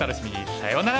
さようなら！